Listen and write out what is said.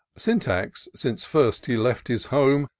Syntax, since first he left his home.